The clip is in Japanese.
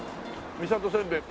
「三郷せんべい」